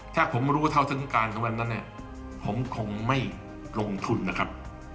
ถ้าผมรู้เท่าถึงการของวันนั้นเนี่ยผมคงไม่ลงทุนนะครับ